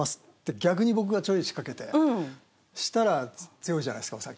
逆に僕が仕掛けて、したら、強いじゃないですか、お酒。